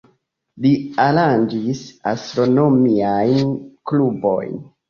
Li aranĝis astronomiajn klubojn.